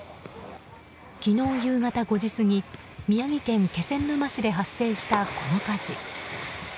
昨日夕方５時過ぎ宮城県気仙沼市で発生したこの火事。